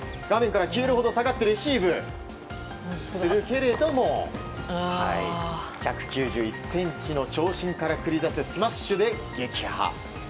画面から消えるほど下がってレシーブするけれども１９１ｃｍの長身から繰り出すスマッシュで撃破。